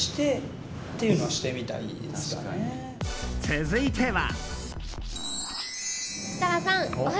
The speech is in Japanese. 続いては。